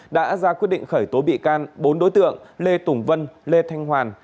đã ra quyết định khởi tố bị can bốn đối tượng lê tùng vân lê thanh hoàn